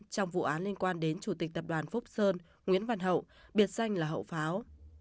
trong vụ án liên quan đến chủ tịch tập đoàn phúc sơn nguyễn văn hậu biệt danh là hậu pháo